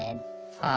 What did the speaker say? ああ